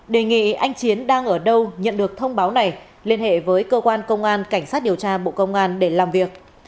đề nghị anh chiến đang ở đâu nhận được thông báo này liên hệ với cơ quan công an cảnh sát điều tra bộ công an để làm việc